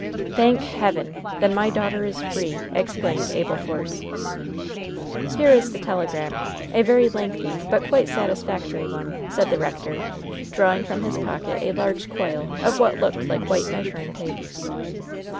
"Thank Heaven! then my daughter is free!" exclaimed Abel Force. "Here is the telegram a very lengthy but quite satisfactory one," said the rector, drawing from his pocket a large coil of what looked like white measuring tape.